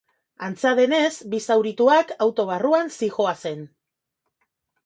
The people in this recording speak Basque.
Antza denez, bi zaurituak auto barruan zihoazen.